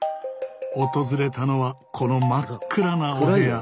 訪れたのはこの真っ暗なお部屋。